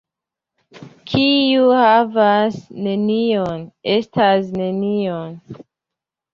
Kiu havas nenion, estas nenio.